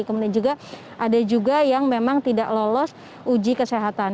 kemudian juga ada juga yang memang tidak lolos uji kesehatan